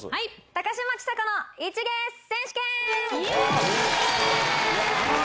高嶋ちさ子の一芸選手権！